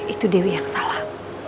itu dewi yang salah